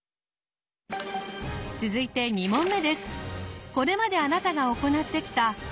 続いて２問目です。